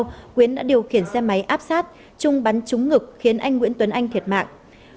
nguyễn đã điều khiển xe máy áp sát chung bắn trúng ngực khiến anh nguyễn tuấn anh thiệt mạng